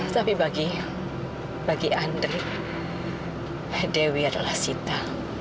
tapi bagi andre dewi adalah sita